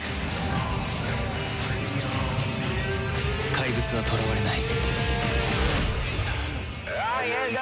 怪物は囚われない